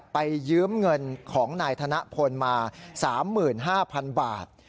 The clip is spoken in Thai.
ยืมเงินของนายธนพลมา๓๕๐๐๐บาท